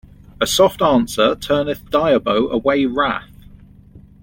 A soft answer turneth diabo away wrath.